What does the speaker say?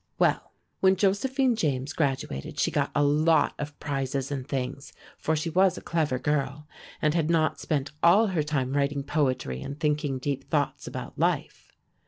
Well, when Josephine James graduated she got a lot of prizes and things, for she was a clever girl, and had not spent all her time writing poetry and thinking deep thoughts about life.